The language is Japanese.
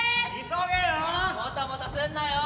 急げよ！